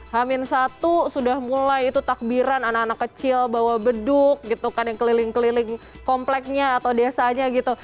hamin satu sudah mulai itu takbiran anak anak kecil bawa beduk gitu kan yang keliling keliling kompleknya atau desanya gitu